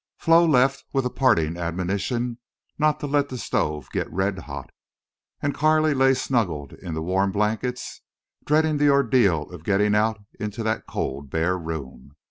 Flo left with a parting admonition not to let the stove get red hot. And Carley lay snuggled in the warm blankets, dreading the ordeal of getting out into that cold bare room.